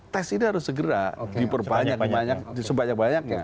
tes ini harus segera diperbanyak banyak di sebanyak banyak